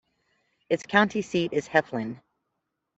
Its county seat is Heflin.